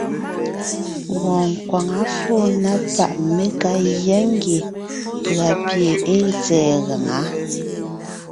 Wɔɔn nkwaŋá fóo na páʼ mé ka gyá ngie pʉ̀a pie ée tsɛ̀ɛ gaŋá.